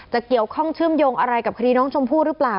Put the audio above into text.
เกี่ยวข้องเชื่อมโยงอะไรกับคดีน้องชมพู่หรือเปล่า